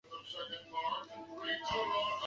孟定新条鳅为鳅科新条鳅属的鱼类。